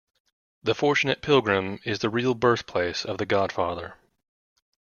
"The Fortunate Pilgrim" is the real birthplace of "The Godfather".